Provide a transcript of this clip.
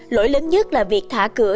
lỗi lớn nhất là việc thả cửa